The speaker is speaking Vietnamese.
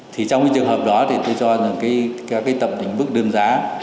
thì trong cái trường hợp đó thì tôi cho rằng cái tầm đỉnh bức đơn giá